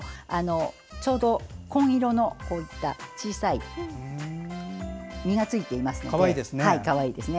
ちょうど紺色の小さい実がついているのでかわいいですね。